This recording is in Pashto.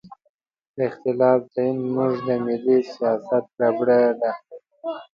د اختلاف تعین زموږ د ملي سیاست ربړه ده.